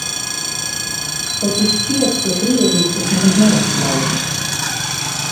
Taču šķiet, ka Krieviju tas nemaz neuztrauc.